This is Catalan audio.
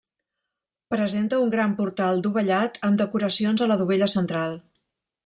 Presenta un gran portal dovellat amb decoracions a la dovella central.